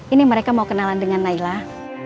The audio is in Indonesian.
ini mereka mau kenalan dengan naila